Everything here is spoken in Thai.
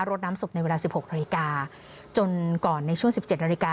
รถน้ำศพในเวลา๑๖นาฬิกาจนก่อนในช่วง๑๗นาฬิกา